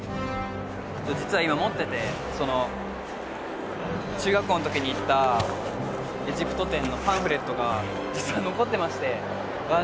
実は今持っててその中学校の時に行ったエジプト展のパンフレットが実は残ってましてわあ